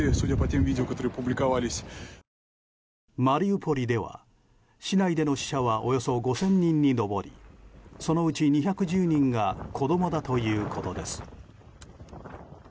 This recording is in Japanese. マリウポリでは市内での死者はおよそ５０００人に上りそのうち２１０人が子供だということです。